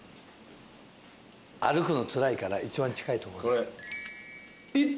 歩くのつらいから一番近いとこ。